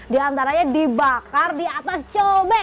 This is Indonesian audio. di antaranya dibakar di atas cobek